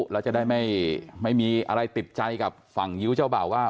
แล้วจะได้ไม่มีอะไรติดใจกับฝั่งยิ้วเจ้าบ่าวว่า